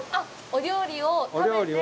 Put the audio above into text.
お料理を食べて。